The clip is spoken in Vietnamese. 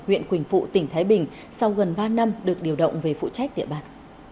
huyện quỳnh phụ tỉnh thái bình sau gần ba năm được điều động về phụ trách địa bàn